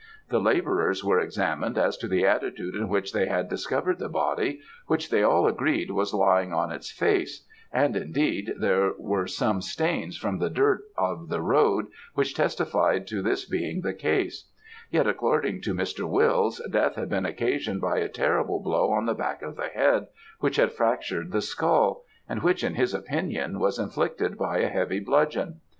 The labourers were examined as to the attitude in which they had discovered the body, which, they all agreed, was lying on its face; and indeed there were some stains from the dirt of the road, which testified to this being the case; yet, according to Mr. Wills, death had been occasioned by a terrible blow on the back of the head which had fractured the skull; and which, in his opinion, was inflicted by a heavy bludgeon.